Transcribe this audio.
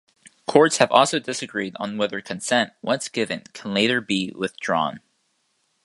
Courts have also disagreed on whether consent, once given, can later be withdrawn.